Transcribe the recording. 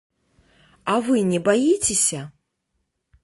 А вы не баіцеся?